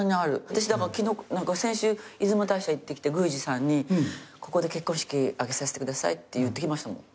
私だから先週出雲大社行ってきて宮司さんにここで結婚式挙げさせてくださいって言ってきましたもん。